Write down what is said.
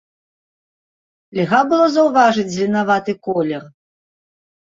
Льга было заўважыць зеленаваты колер.